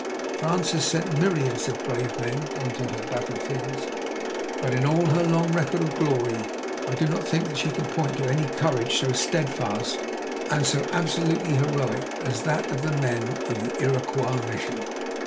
France has sent myriads of brave men on to her battlefields, but in all her long record of glory I do not think that she can point to any courage so steadfast and so absolutely heroic as that of the men of the Iroquois Mission.